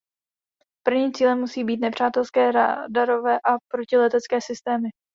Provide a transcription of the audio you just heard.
Prvním cílem musí být nepřátelské radarové a protiletecké systémy.